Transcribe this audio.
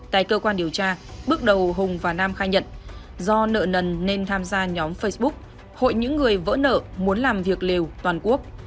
tại cơ quan điều tra bước đầu hùng và nam khai nhận do nợ nần nên tham gia nhóm facebook hội những người vỡ nợ muốn làm việc liều toàn quốc